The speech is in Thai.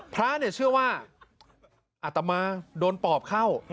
พระเนี่ยเชื่อว่าอาตมาโดนปอบเข้า